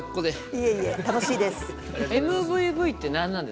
いえいえ楽しいです。